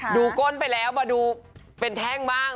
ก้นไปแล้วมาดูเป็นแท่งบ้าง